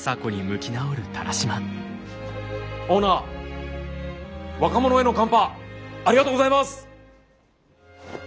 オーナー若者へのカンパありがとうございます。